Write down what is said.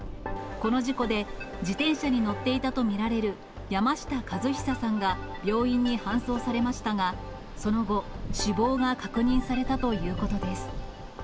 この事故で、自転車に乗っていたと見られる山下和久さんが病院に搬送されましたが、その後、死亡が確認されたということです。